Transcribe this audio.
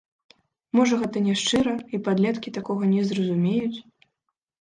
Можа, гэта няшчыра, і падлеткі такога не зразумеюць?